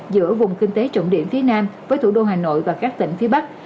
giữa vùng kinh tế trọng điểm phía nam với thủ đô hà nội và các tỉnh phía bắc